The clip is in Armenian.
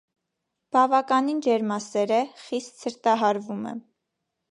Բավականին ջերմասեր է, խիստ ցրտահարվում է։